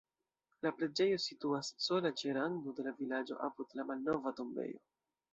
La preĝejo situas sola ĉe rando de la vilaĝo apud la malnova tombejo.